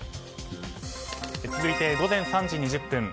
続いて午前３時２０分。